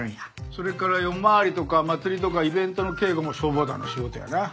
それから夜回りとか祭りとかイベントの警護も消防団の仕事やな。